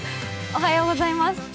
おはようございます。